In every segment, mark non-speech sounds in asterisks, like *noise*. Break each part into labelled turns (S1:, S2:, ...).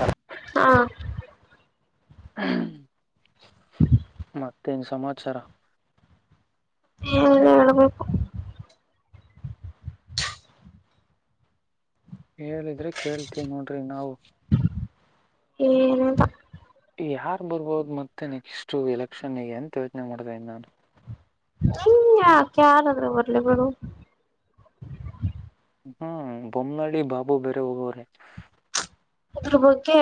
S1: ಹಾ
S2: ಹಾ
S1: ಮತ್ತೇನ್ ಸಮಾಚಾರ
S2: ಹೇಳಬೇಕು
S1: ಹೇಳಿದ್ರೆ ಕೇಳ್ತೀವಿ ನೋಡ್ರಿ ನಾವು
S2: ಏನ
S1: ಯಾರು ಬರ್ಬೋದು ಮತ್ತೆ ನೆಕ್ಸ್ಟು ಎಲೆಕ್ಷನ್ಗೆ ಎಂತ ಯೋಚನೆ ಮಾಡ್ತಾ ಇದೀನಿ ನಾನು
S2: ಹ ಯಾಕ್ ಯಾರ ಅದ್ರ ಬರಲಿ ಬುಡು
S1: ಹ್ಮ್ ಬೊಮ್ಮನಳ್ಳಿ ಬಾಬು ಬೇರೆ ಹೋಗೋವ್ರೆ
S2: ಇದ್ರು ಬಗ್ಗೆ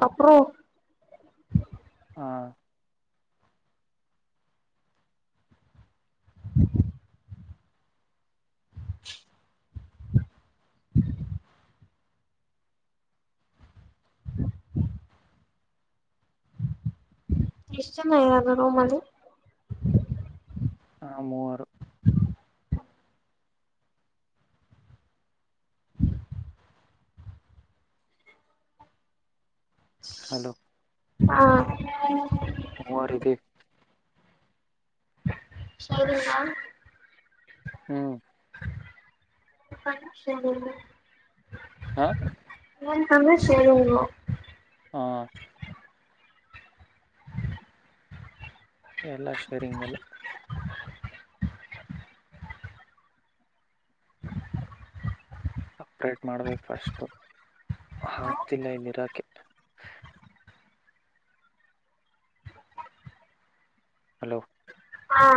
S2: ಕಪ್ರೋ
S1: ಹ
S2: *unintelligible* *unintelligible* ಎಷ್ಟು ಜನ ಇದ್ದಾರೆ ರೂಮಲ್ಲಿ
S1: ಹಾ ಮೂವರು ಹಲೋ
S2: ಹಾ
S1: ಮೂವರ ಇದ್ವಿ
S2: ಸರಿನಾ
S1: ಹ್ಮ್
S2: ಹ ಸರಿ
S1: ಹಾ
S2: *unintelligible*
S1: ಹ್ಮ ಎಲ್ಲಾ ಸರಿಂಗಲ್ಲ ಅಪ್ರೇಟ್ ಮಾಡ್ಬೇಕು ಫಸ್ಟು ಆಗ್ತಿಲ್ಲ ಇಲ್ಲಿ ಇರಾಕೆ ಹಲೋ
S2: ಹಾ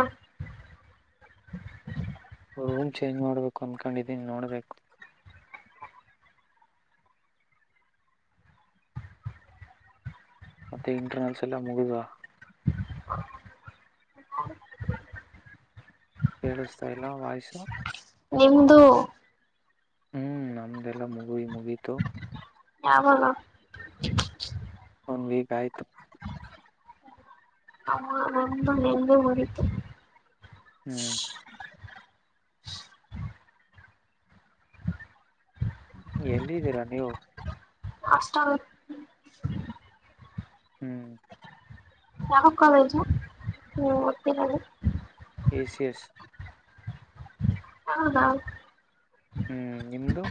S1: ರೂಮ್ ಚೇಂಜ್ ಮಾಡ್ಬೇಕು ಅನ್ಕೊಂಡಿದ್ದೀನಿ ನೋಡ್ಬೇಕು ಮತ್ತೆ ಇಂಟರ್ನಲ್ಸ್ ಎಲ್ಲ ಮುಗುದುವಾ ಕೇಳಿಸ್ತಾ ಇಲ್ಲ ವಾಯ್ಸು
S2: ನಿಮ್ದು
S1: ಹ್ಮ್ ನಮ್ದೆಲ್ಲಾ ಮುಗುವಿ ಮುಗಿತು
S2: ಯಾವಾಗ
S1: ಒನ್ ವೀಕ್ ಆಯ್ತು
S2: ಹ ನಂದು ನಿಂದು ಮುಗಿತು
S1: ಹ್ಮ್ ಎಲ್ಲಿದ್ದೀರಾ ನೀವು
S2: ಹಾಸ್ಟೆಲ್
S1: ಹ್ಮ್
S2: ಯಾವ ಕಾಲೇಜ ಹ್ಮ ಓದ್ತರೋದು
S1: ಎಸಿಯಸ್
S2: ಹೌದ
S1: ಹ್ಮ್ ನಿಮ್ದು?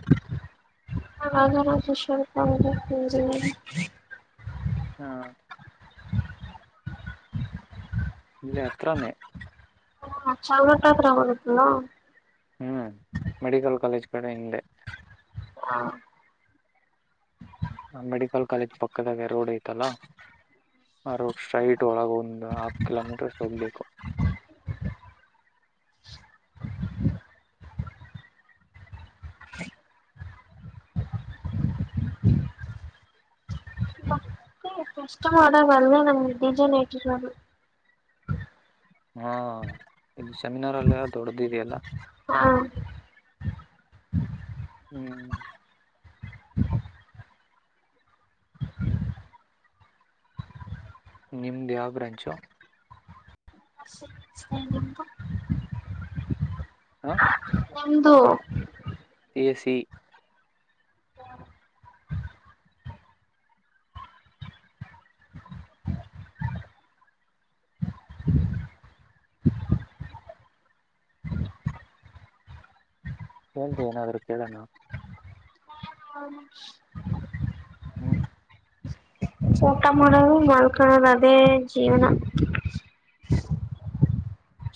S2: Rajarajeshwari college of engineering.
S1: ಹಾ ಇಲ್ಲ ಅತ್ರಾನೇ,
S2: ಹ ಚಂಗಟಾದರ ಹತ್ರ,
S1: ಹ್ಮ್ ಮೆಡಿಕಲ್ ಕಾಲೇಜ್ ಕಡೆ ಹಿಂದೆ.
S2: ಹಾ
S1: ಆ ಮೆಡಿಕಲ್ ಕಾಲೇಜ್ ಪಕ್ಕದಾಗ ರೋಡ್ ಐತಲ್ಲ, ಆ ರೋಡ್ ಸ್ಟ್ರೈಟ್ ಒಳಗೆ ಒಂದು ಹಾಫ್ ಕಿಲೋಮೀಟರ್ ಅಷ್ಟ ಹೋಗ್ಬೇಕು.
S2: ಕಷ್ಟ ಮಾಡ ಅಲ್ಲೇ ನಮಗೆ ಡಿಜನ್ ಇಟ್ಟಿರೋದು.
S1: ಹಾ ಇದು ಸೆಮಿನಾರ್ ಅಲ್ಲ ದೊಡ್ಡ್ದಿದೆಯಲ್ಲಾ.
S2: ಹಾ
S1: ಹ್ಮ್ ನಿಮ್ದ ಯಾವ ಬ್ರಂಚೋ? ಹಾ
S2: ನಿಮ್ಮದು?
S1: ಎಸ್ ಸಿ ಏಜ ಏನ ಅವರು ಕೇಳ್ಣ ಹ್ಮ್
S2: ಊಟ ಮಾಡೋದು ಮಲ್ಕಳೋದು, ಅದೇ ಜೀವನ.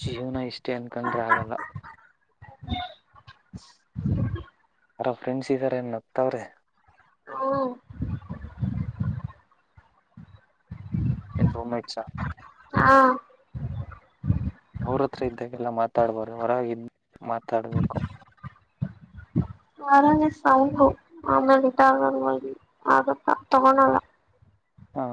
S1: ಜೀವನ ಇಷ್ಟೇ ಅನ್ಕಂಡ್ರೆ ಆಗಲ್ಲ. ಯಾರ ಫ್ರೆಂಡ್ಸ್ ಇದ್ದಾರೆ? ನಗ್ತವ್ರೆ.
S2: ಹ್ಮ್
S1: ಎ ರೂಂಮೇಟ್ಸ
S2: ಹಾ
S1: ಅವ್ರತ್ರ ಇದ್ದಾಗೆಲ್ಲ ಮಾತಾಡ್ಬೋ್ರ ಹೊರಾಗ ಮಾತಾಡ್ಬೇಕು.
S2: ಅವರಲ್ಲಿ ಸೌಂಡು ಆಮೇಲೆ ಗಟಗ ಆಗ ತಗೋಳಲ್ಲ.
S1: ಹಾ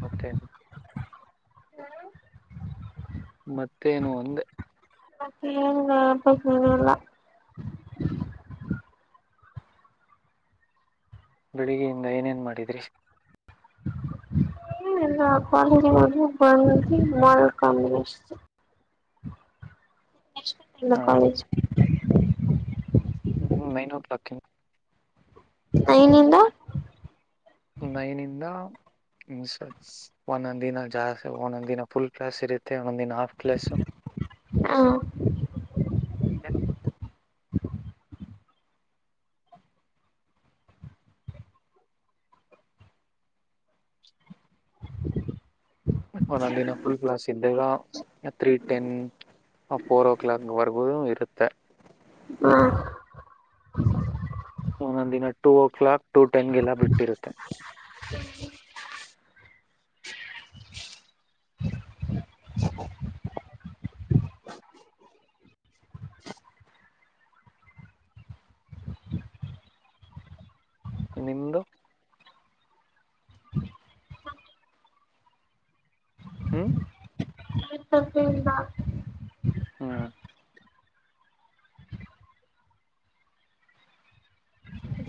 S1: ಮತ್ತೆ ಮತ್ತೇನು ಅಂದೆ,
S2: ಲ್ಲ
S1: ಬೆಳಿಗ್ಗೆಯಿಂದ ಏನೇನ್ ಮಾಡಿದ್ರಿ?
S2: ಕಾಲೇಜ್ಗ ಹೋಗಿ ಬಂದ ಮಾಡಲ್ಕಂಬಷ್ಟ? ಎಲ್ಲ
S1: ಆ
S2: ಕಾಲಜ
S1: ಹ್ಮ್ ನೈನ್ ಓ ಕ್ಲಾಕ್?
S2: ನೈನಿಂದ?
S1: ನೈನಿಂದ, ಇನ್ ಒಂದೊಂದು ದಿನ ಜಾಸ್ ಒಂದೊಂದು ದಿನ ಫುಲ್ ಕ್ಲಾಸ್ ಇರುತ್ತೆ ಒಂದೊಂದ ದಿನ ಹಾಫ್ ಕ್ಲಾಸು‌ ನ ದಿನ ಫುಲ್ ಕ್ಲಾಸ್ ಇದ್ದಾಗ ತ್ರೀ ಟೆನ್ ಫೋರ್ ಓ ಕ್ಲಾಕ್ವರೆಗೂ ಇರುತ್ತೆ‌. ಒಂದೊಂದ ದಿನ ಟೂ ಓ ಕ್ಲಾಕ್ ಟು ಟೆನ್ಗೆಲ್ಲ ಬಿಟ್ಟಿರುತ್ತೆ. ನಿಮದುು? ಹ್ಮ್
S2: *unintelligible*
S1: ಹ್ಮ್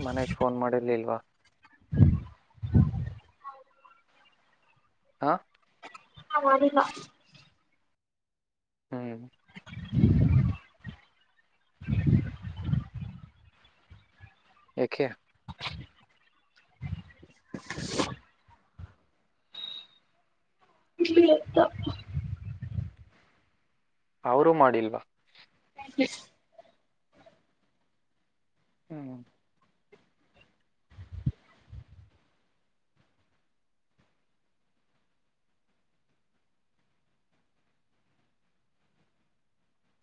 S1: ಮನೆಗೆ ಫೋನ್ ಮಾಡಿಲಿಲ್ವಾ?. ಹ
S2: ಹ ಮಾಡಿಲ್ಲ.
S1: ಹ್ಮ್ ಯಕೆ?
S2: *inaudible*
S1: ಅವರುೂ ಮಾಡಿಲ್ವಾ? ಹ್ಮ್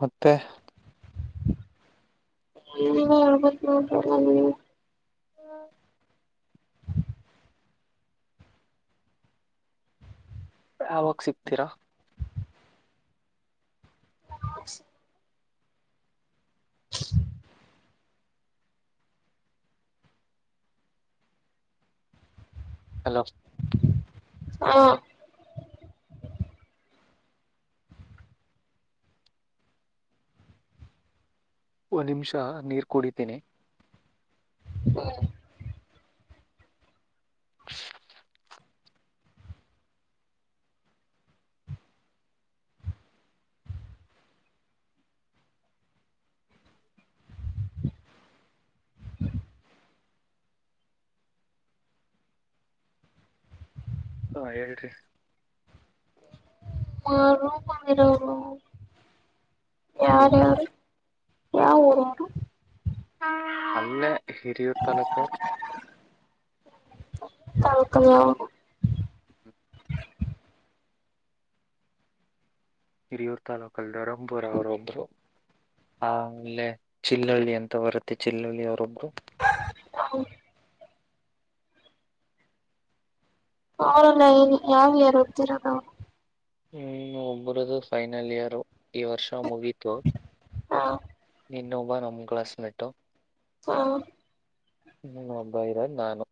S1: ಮತ್ತೆ
S2: ನೀವೇ ಹೇಳ್ಬೇಕು ಗೌಡ್ರೆ
S1: ಯಾವಾಗ ಸಿಗ್ತೀರಾ ಹಲೋ
S2: ಹ
S1: ಒನ್ ನಿಮಿಷ ನೀರ್ ಕುಡಿತಿನಿ ಹಾ ಹೇಳೇ್ರರಿ
S2: ಹ ರೂಪಂದರ ಯಾರ
S1: ರೂಮಗೆ
S2: ಯಾರು ಯಾವ ಊರು ಪ್ಪ
S1: ಅಲ್ಲೇ ಹಿರಿಯೂರ್ ತಾಲೂಕ್
S2: ಲೋಕಲ
S1: ಹಿರಿಯೂರು ತಾಲೂಕಲ್ಲಿ ದರಂಬುರ ಅವ್ರೊಬ್ರು ಆಮಲೆ ಚಿಲ್ಲಳ್ಳಿ ಅಂತ ಬರುತ್ತೆ ಚಿಲ್ಲಳ್ಳಿ ಅವ್ರೊಬ್ರು
S2: ಅವರೆಲ್ಲ ಏ ಯಾವ ಯಾರ ಗತ್ತಿರೋದು
S1: ಹ್ಮ್ ಒಬರದು ಫೈನಲ್ ಇಯರ್ ಈ ವರ್ಷ ಮುಗೀತು
S2: ಹಾ
S1: ಇನ್ನೊಬ್ಬ ನಮ ಕ್ಲಾಸ್ ಮೆಟ್ಟು
S2: ಹಾ
S1: ಹ್ಮ ಒಬೈರ ನಾನು್ಮ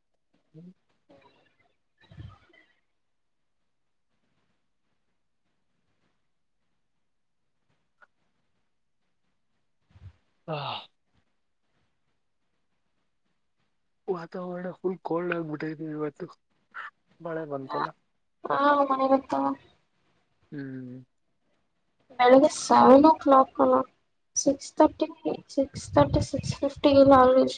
S1: ಹಾ ವಾತಾವರಣ ಫುಲ್ ಕೋಲ್ಡ್ ಆಗ್ಬಿಟ್ಟವಿ ಇವತ್ತು ಮಳೆ ಬಂತಲ್ಲ
S2: ಹಾ ಮಳೆ ಬಂತು
S1: ಹ್ಮ್
S2: ಬೆಳಗ್ಗೆ ಸೆವೆನ್ ಓ ಕ್ಲಾಕ್ ಅಲ್ಲ six thirty six thirty six fifty ಇಲ್ಲ ಆಗಜಿಸ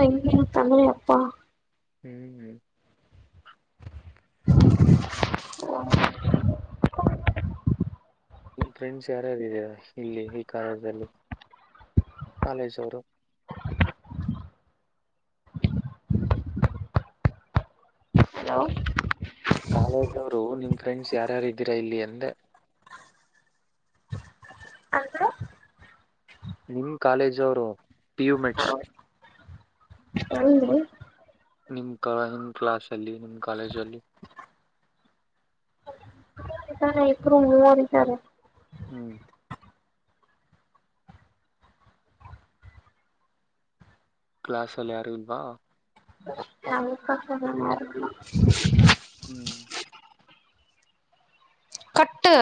S2: ಹೆಂಗ ತಂದ್ರಿ ಅಪ್ಪ
S1: ಹ್ಮ್ ಹ್ಮ ಫ್ರೆಂಡ್ಸ್ ಯಾರಾರು ಇದರಾ ಇಲ್ಲಿ ಈ ಕಾರಣದಲ್ಲಿ ಕಾಲೇಜ ಅವರು
S2: ಹಲೋ
S1: ಕಾಲೇಜ ಅವರು ನಿಮ್ ಫ್ರೆಂಡ್ಸ್ ಯಾರ್ಯಾರು ಇದ್ದೀರಾ ಇಲ್ಲಿ ಅಂದೆ
S2: ಅಂದ್ರೆ
S1: ನಿಮ್ ಕಾಲೇಜ್ ಅವರು ಪಿ ಯು ಮೆಚ್ಚ್
S2: ಎಲ್ರಿ
S1: ನಿಮ್ ಕ ನಿಮ್ ಕ್ಲಾಸ್ ಅಲ್ಲಿ ನಿಮ ಕಾಲೇಜಲ್ಲಿ
S2: ಇದ್ದಾರೆ ಇಬ್ಬರು ಮೂವರು ಇದ್ದಾರೆ
S1: ಹ್ಮ್ ಕ್ಲಾಸ್ ಅಲ್ಲಿ ಯಾರು ಇಲ್ವಾ
S2: ಹ
S1: ಹ್ಮ್
S2: ಕಟ್ಟ